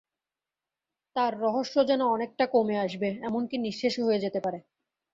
তার রহস্য যেন অনেকটা কমে আসবে, এমনকি নিঃশেষও হয়ে যেতে পারে।